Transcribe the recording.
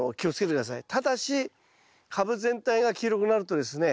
ただし株全体が黄色くなるとですね